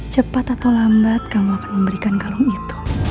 cepat atau lambat kamu akan memberikan kalung itu